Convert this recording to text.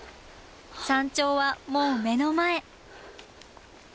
山頂はもう目の前。